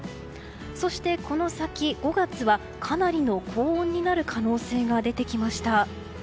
そして、この先５月はかなりの高温になる可能性が出てきました。